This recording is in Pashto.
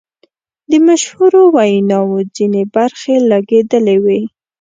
د مشهورو ویناوو ځینې برخې لګیدلې وې.